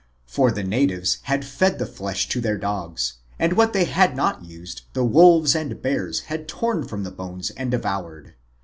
For the natives had fed the flesh to their dogs and what they had not used the wolves and bears had torn from the bones and devoured.